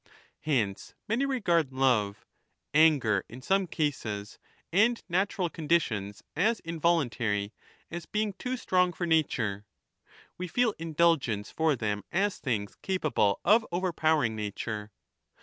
tlence, many regard love, anger in some cases, and natural conditions, as involuntary, as being too strong for nature ; we feel indulgence for them as things capable of overpowering nature.